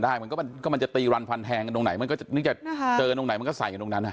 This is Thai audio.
เจอกันตรงไหนมันก็ใส่กันตรงนั้น